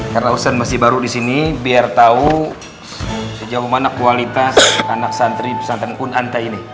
karena ustadz masih baru disini biar tahu sejauh mana kualitas anak santri pesantren kun anta ini